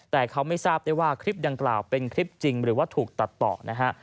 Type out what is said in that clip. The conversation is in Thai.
แต่เขาไม่ทราบได้ว่าคลิปดังกล่าวเป็นคลิปจริงหรือว่าถูกตัดต่อนะฮะ